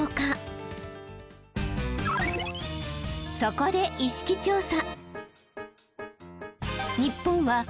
そこで意識調査。